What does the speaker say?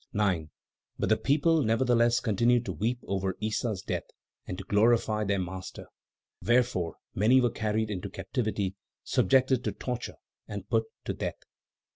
9. But the people, nevertheless, continued to weep over Issa's death and to glorify their master; wherefore, many were carried into captivity, subjected to torture and put to death.